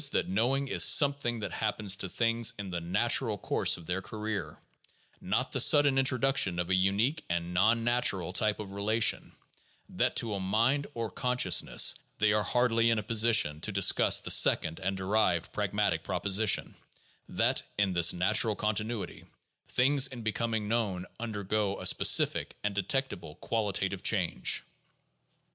that knowing is some thing that happens to things in the natural course of their career, not the sudden introduction of a "unique" and non natural type of relation — that to a mind or consciousness — they are hardly in a position to discuss the second and derived pragmatic proposition that, in this natural continuity, things in becoming known undergo a specific and detectable qualitative change.